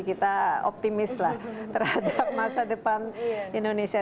kita optimis lah terhadap masa depan indonesia